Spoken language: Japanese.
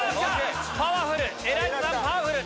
パワフル！